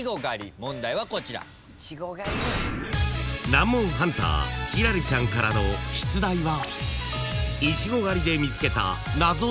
［難問ハンター輝星ちゃんからの出題は］